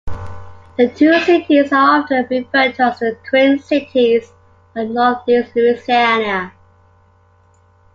The two cities are often referred to as the Twin Cities of northeast Louisiana.